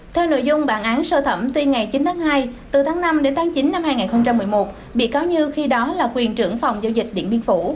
theo nội dung bản án sơ thẩm tuy ngày chín tháng hai từ tháng năm đến tháng chín năm hai nghìn một mươi một bị cáo như khi đó là quyền trưởng phòng giao dịch điện biên phủ